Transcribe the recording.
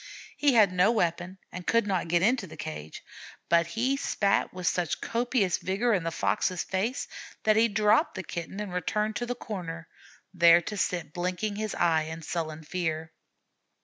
He had no weapon and could not get into the cage, but he spat with such copious vigor in the Fox's face that he dropped the Kitten and returned to the corner, there to sit blinking his eyes in sullen fear.